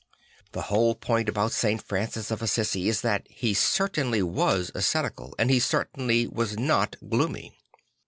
The whole point about St. Francis of Assisi is that he certainly was ascetical and he certainly was not gloomy.